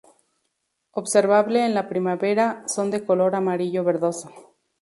Observable en la primavera, son de color amarillo verdoso.